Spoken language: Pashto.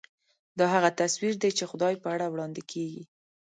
دا هغه تصویر دی چې خدای په اړه وړاندې کېږي.